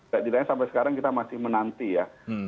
tidak sampai sekarang kita masih menanti ya